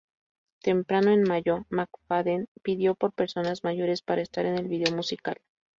Temprano en mayo, McFadden pidió por personas mayores para estar en el vídeo musical.